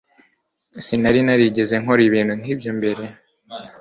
Sinari narigeze nkora ibintu nkibyo mbere